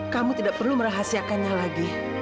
kamu tidak perlu merahasiakannya lagi